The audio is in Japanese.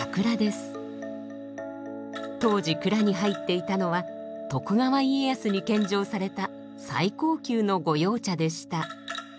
当時蔵に入っていたのは徳川家康に献上された最高級の御用茶でした。